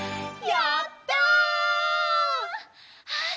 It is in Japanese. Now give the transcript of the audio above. やった！